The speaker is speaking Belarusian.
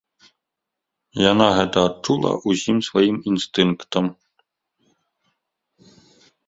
Яна гэта адчула ўсім сваім інстынктам.